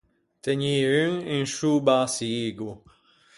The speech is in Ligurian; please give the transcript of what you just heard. Tegnî un in sciô bäçigo.